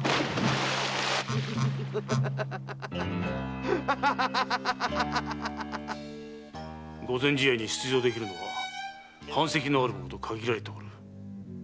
〕御前試合に出場できるのは藩籍のある者と限られておる。